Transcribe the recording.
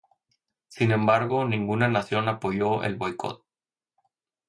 Sin embargo, ninguna nación apoyó el boicot.